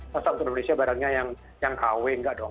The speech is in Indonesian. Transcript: masa untuk indonesia barangnya yang kw enggak dong